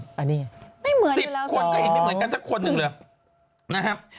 ๑๐คนก็เห็นไม่เหมือนกันสักคนหนึ่งเลยนะครับ